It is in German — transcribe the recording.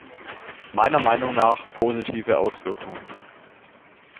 Meiner Meinung nach positive Auswirkungen.